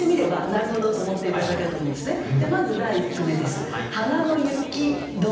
まず第１句目です。